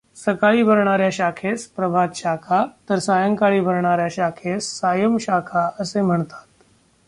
सकाळी भरणाऱ्या शाखेस प्रभातशाखा तर सायंकाळी भरणाऱ्या शाखेस सायंशाखा असे म्हणतात.